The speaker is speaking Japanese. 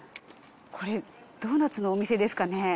これドーナツのお店ですかね。